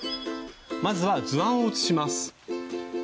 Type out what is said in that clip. まずは図案を写します。